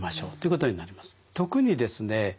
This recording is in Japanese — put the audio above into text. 特にですね